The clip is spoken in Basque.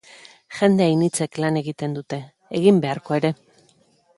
Jende ainitzek lan egin dute, egin beharko ere.